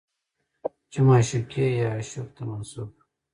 چې معشوقې يا عاشق ته منسوب